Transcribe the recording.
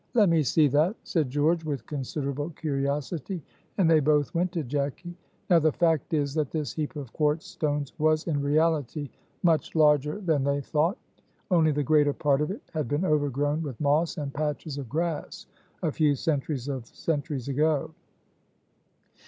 "Let me see that," said George, with considerable curiosity; and they both went to Jacky. Now the fact is that this heap of quartz stones was in reality much larger than they thought, only the greater part of it had been overgrown with moss and patches of grass a few centuries of centuries ago.